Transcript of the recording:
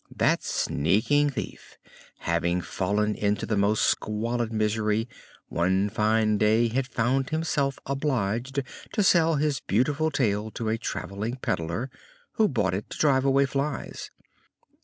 That sneaking thief, having fallen into the most squalid misery, one fine day had found himself obliged to sell his beautiful tail to a traveling peddler, who bought it to drive away flies.